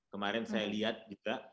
kemarin saya lihat juga